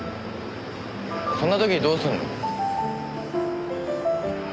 そんな時どうするの？